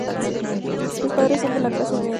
Sus padres son de la clase media.